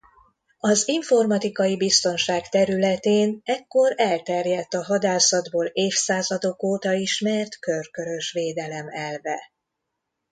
Az informatikai biztonság területén ekkor elterjedt a hadászatból évszázadok óta ismert körkörös védelem elve.